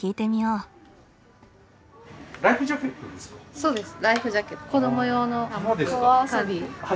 そうですね。